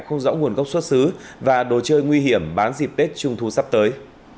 không rõ nguồn gốc xuất xứ và đồ chơi nguy hiểm bán dịp tết trung thu sắp tới